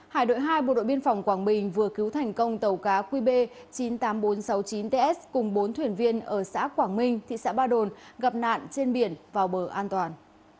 hải đội hai bộ đội biên phòng quảng bình vừa cứu thành công tàu cá qb chín mươi tám nghìn bốn trăm sáu mươi chín ts cùng bốn thuyền viên ở xã quảng minh thị xã ba đồn gặp nạn trên biển vào bờ an toàn